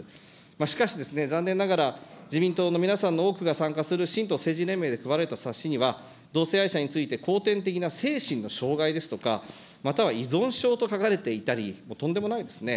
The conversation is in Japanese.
しかし、残念ながら、自民党の皆さんの多くが参加するしんとう政治連盟で配られた冊子では、同性愛者について、後天的な精神の障害ですとか、または依存症と書かれていたりとんでもないですね。